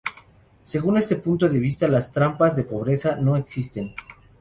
Según este punto de vista las trampas de pobreza no existen.